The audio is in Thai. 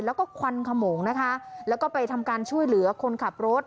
แล้วก็ควันขโมงนะคะแล้วก็ไปทำการช่วยเหลือคนขับรถ